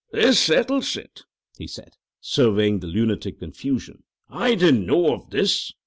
"This settles it," he said, surveying the lunatic confusion. "I didn't know of this.